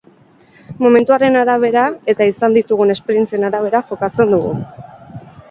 Momentuaren arabera eta izan ditugun esperientzien arabera jokatzen dugu.